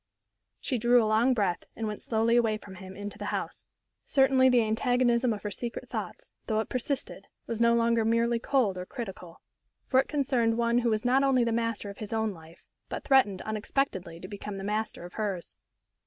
She drew a long breath, and went slowly away from him into the house. Certainly the antagonism of her secret thoughts, though it persisted, was no longer merely cold or critical. For it concerned one who was not only the master of his own life, but threatened unexpectedly to become the master of hers.